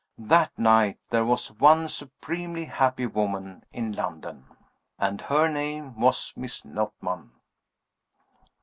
That night there was one supremely happy woman in London. And her name was Miss Notman.